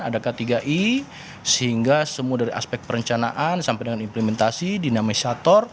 ada k tiga i sehingga semua dari aspek perencanaan sampai dengan implementasi dinamisator